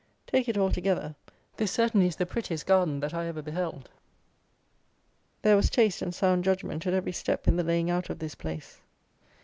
Take it altogether, this, certainly, is the prettiest garden that I ever beheld. There was taste and sound judgment at every step in the laying out of this place.